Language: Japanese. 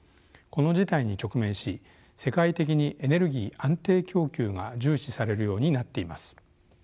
この事態に直面し世界的にエネルギー安定供給が重視されるようになっています。